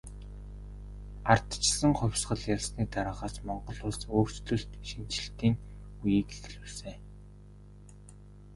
Ардчилсан хувьсгал ялсны дараагаас Монгол улс өөрчлөлт шинэчлэлтийн үеийг эхлүүлсэн.